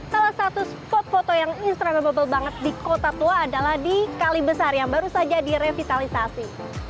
salah satu spot foto yang instravable banget di kota tua adalah di kali besar yang baru saja direvitalisasi